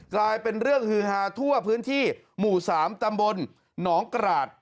กลายเป็นเรื่องฮือฮาทั่วพื้นที่หมู่๓ตำบลหนองกราศ